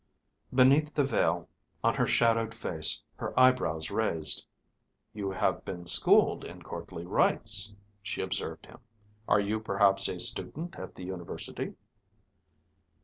Beneath the veil, on her shadowed face, her eyebrows raised. "You have been schooled in courtly rites?" She observed him. "Are you perhaps a student at the university?"